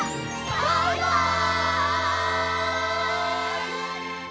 バイバイ！